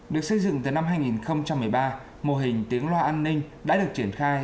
được xây dựng từ năm hai nghìn một mươi ba mô hình tiếng loa an ninh đã được triển khai